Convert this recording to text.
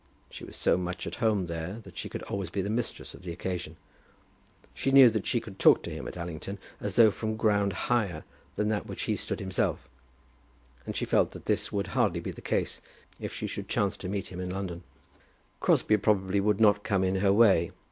She was so much at home there that she could always be mistress of the occasion. She knew that she could talk to him at Allington as though from ground higher than that on which he stood himself; but she felt that this would hardly be the case if she should chance to meet him in London. Crosbie probably would not come in her way.